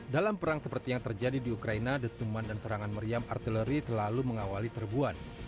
dalam perang seperti yang terjadi di ukraina detuman dan serangan meriam artileri selalu mengawali serbuan